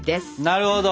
なるほど。